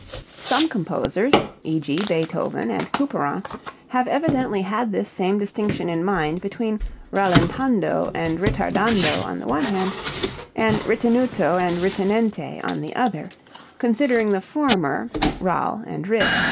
Some composers (e.g., Beethoven and Couperin) have evidently had this same distinction in mind between rallentando and ritardando on the one hand, and ritenuto and ritenente on the other, considering the former (rall. and _rit.